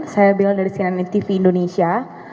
saya bilang dari cnn tv indonesia